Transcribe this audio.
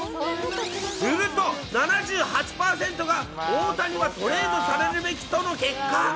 すると７８％が、大谷はトレードされるべきとの結果。